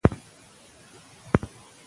استاد محمد اصف بهاند ترسره کړی.